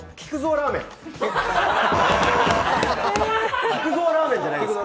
ラーメンじゃないですか？